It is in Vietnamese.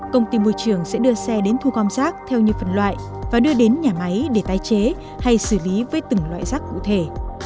công ty môi trường sẽ đưa xe đến thu gom rác theo như phần loại và đưa đến nhà máy để tái chế hay xử lý với từng loại rác cụ thể